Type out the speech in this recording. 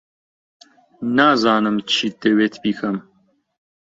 نازانم چیت دەوێت بیکەم.